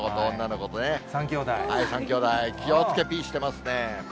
３きょうだい、気をつけ、ぴっ、してますね。